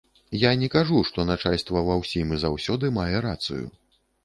Я не кажу, што начальства ва ўсім і заўсёды мае рацыю.